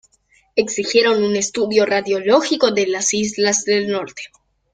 Exigieron un estudio radiológico de las islas del norte.